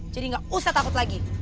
jadi gak usah takut lagi